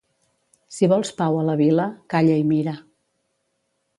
Si vols pau a la vila, calla i mira.